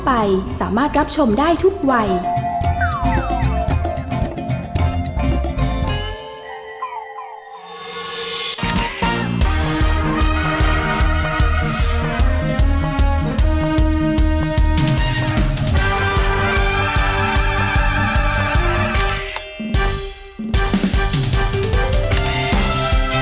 แม่ภาพประชาญบาลสวัสดีค่ะ